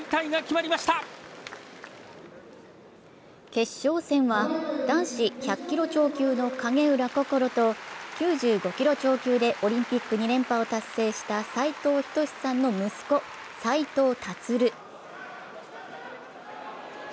決勝戦は男子１００キロ超級の影浦心と９５キロ超級でオリンピック２連覇を達成した斉藤仁さんの息子、斉藤立。